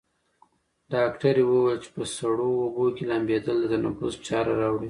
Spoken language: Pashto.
ډاکټره وویل چې په سړو اوبو کې لامبېدل د تنفس چاره راوړي.